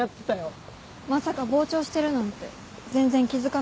まさか傍聴してるなんて全然気付かなかった。